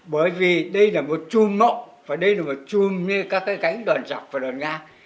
bởi vì đây là một chuông mộng và đây là một chuông như các cánh đòn dọc và đòn ngang